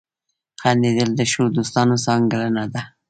• خندېدل د ښو دوستانو ځانګړنه ده.